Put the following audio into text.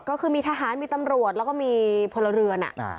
ก็คือมีทหารมีตำรวจแล้วก็มีพลเรือน